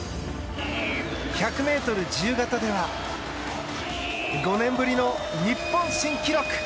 １００ｍ自由形では５年ぶりの日本新記録。